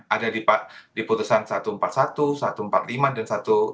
ada di putusan satu ratus empat puluh satu satu ratus empat puluh lima dan satu ratus empat puluh